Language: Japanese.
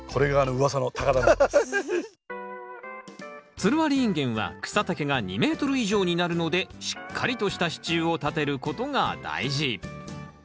つるありインゲンは草丈が２ｍ以上になるのでしっかりとした支柱を立てることが大事。